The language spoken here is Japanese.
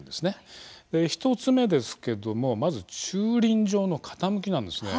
１つ目ですけどもまず駐輪場の傾きなんですね。